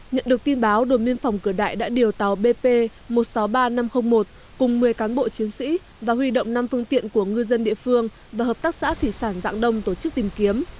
nhận được tin báo đồn biên phòng cửa đại đã điều tàu bp một trăm sáu mươi ba nghìn năm trăm linh một cùng một mươi cán bộ chiến sĩ và huy động năm phương tiện của ngư dân địa phương và hợp tác xã thủy sản dạng đông tổ chức tìm kiếm